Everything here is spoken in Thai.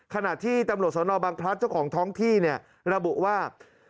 ขณะที่ตำรวจสนบังพลัดเจ้าของท้องที่เนี่ยระบุว่า